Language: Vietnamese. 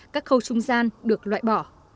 các khâu trung gian được loại bỏ